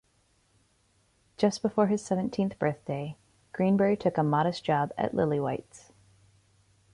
Just before his seventeenth birthday, Greenbury took a modest job at Lillywhites.